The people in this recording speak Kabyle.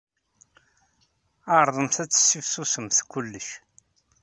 Ɛerḍemt ad tessifsusemt kullec!